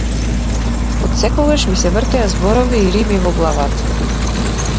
Отсекогаш ми се вртеа зборови и рими во главата.